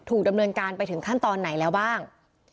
ดำเนินการไปถึงขั้นตอนไหนแล้วบ้าง